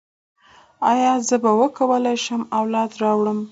ایا زه به وکولی شم اولاد راوړم؟